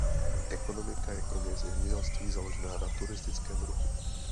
Ekonomika je kromě zemědělství založena na turistickém ruchu.